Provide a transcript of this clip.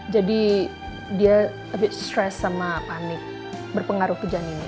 jadi dia agak stres sama panik berpengaruh ke janinnya